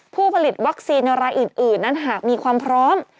ผู้ผลิตวัคซีนรายอื่นนั้นหากมีความพร้อม